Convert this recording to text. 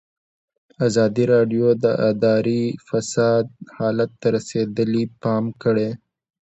ازادي راډیو د اداري فساد حالت ته رسېدلي پام کړی.